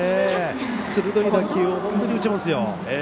鋭い打球を本当に打ちますよ。